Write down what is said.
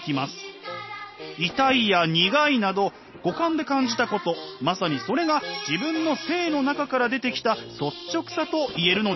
痛いや苦いなど五感で感じたことまさにそれが自分の生の中から出てきた率直さと言えるのです。